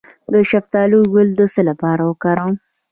د شفتالو ګل د څه لپاره وکاروم؟